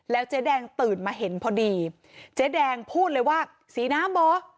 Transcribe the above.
เจ๊แดงตื่นมาเห็นพอดีเจ๊แดงพูดเลยว่าสีน้ำเหรอ